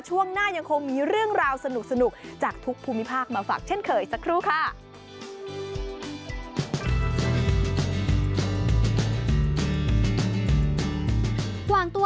ช่วงหน้ายังคงมีเรื่องราวสนุกจากทุกภูมิภาคมาฝากเช่นเคยสักครู่ค่ะ